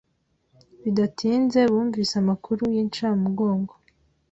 b idatinze bumvise amakuru y’inshamugongo